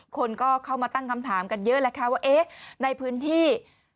คนก็เข้ามาตั้งคำถามกันเยอะแหละค่ะว่าเอ๊ะในพื้นที่